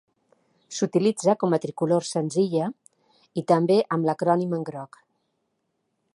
S'utilitza com a tricolor senzilla, i també amb l'acrònim en groc.